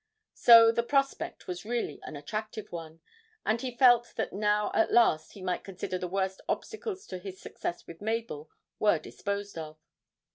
So the prospect was really an attractive one, and he felt that now at last he might consider the worst obstacles to his success with Mabel were disposed of.